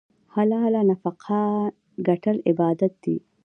حلاله نفقه ګټل عبادت دی.